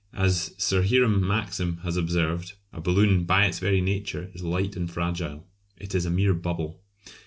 As Sir Hiram Maxim has observed, a balloon by its very nature is light and fragile, it is a mere bubble.